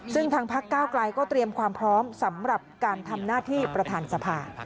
ซึ่งทางพักเก้าไกลก็เตรียมความพร้อมสำหรับการทำหน้าที่ประธานสภา